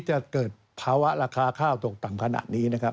จะเกิดภาวะราคาข้าวตกต่ำขนาดนี้นะครับ